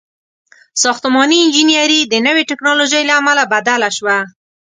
• ساختماني انجینري د نوې ټیکنالوژۍ له امله بدله شوه.